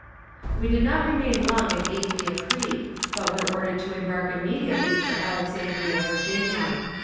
We did not remain long at Aquia Creek, but were ordered to embark immediately for Alexandria, Virginia.